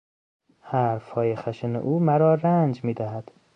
حرفهای خشن او مرا رنج میدهد.